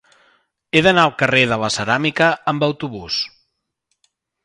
He d'anar al carrer de la Ceràmica amb autobús.